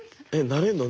なれんの？